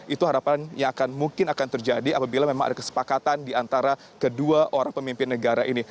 itu harapan yang akan mungkin akan terjadi apabila memang ada kesepakatan di antara kedua orang pemimpin negara ini